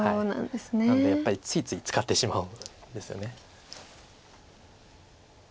なのでやっぱりついつい使ってしまうんですよね。